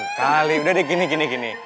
gak ada udah deh gini gini gini